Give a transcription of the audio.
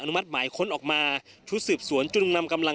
อนุมัติมายค้นออกมาชุดซืบสวนจรุงนำ